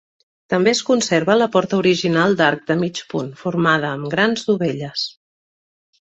També es conserva la porta original d'arc de mig punt, formada amb grans dovelles.